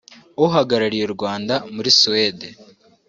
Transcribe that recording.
uhagarariye u Rwanda muri Suède